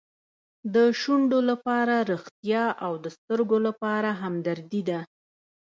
د شونډو لپاره ریښتیا او د سترګو لپاره همدردي ده.